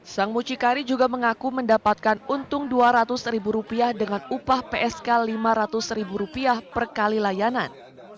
sang mucikari juga mengaku mendapatkan untung rp dua ratus dengan upah psk rp lima ratus per kali layanan